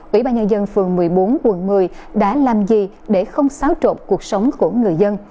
ủy ban nhân dân phường một mươi bốn quận một mươi đã làm gì để không xáo trộn cuộc sống của người dân